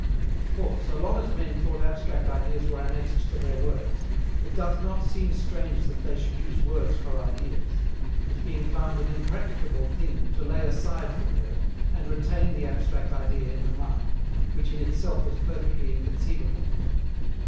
For, so long as men thought abstract ideas were annexed to their words, it doth not seem strange that they should use words for ideas it being found an impracticable thing to lay aside the word, and RETAIN THE ABSTRACT IDEA IN THE MIND, WHICH IN ITSELF WAS PERFECTLY INCONCEIVABLE.